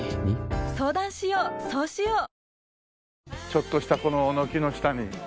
ちょっとしたこの軒の下に。